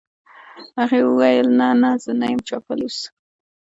هغې وویل: نه، نه یم، زما چاپلوسۍ خوښې نه دي.